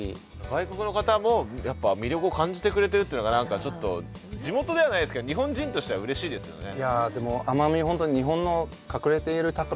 外国の方もやっぱ魅力を感じてくれてるっていうのが何かちょっと地元ではないですけど日本人としてはうれしいですよね。